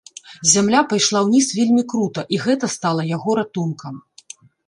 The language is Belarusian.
Зямля пайшла ўніз вельмі крута, і гэта стала яго ратункам.